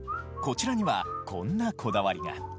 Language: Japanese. こちらには、こんなこだわりが。